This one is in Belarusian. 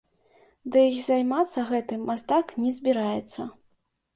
Дый займацца гэтым мастак не збіраецца.